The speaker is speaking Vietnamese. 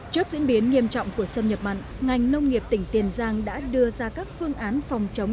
trước diễn biến nghiêm trọng của xâm nhập mặn ngành nông nghiệp tỉnh tiền giang đã đưa ra các phương án phòng chống